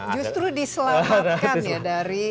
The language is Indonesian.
justru diselamatkan ya dari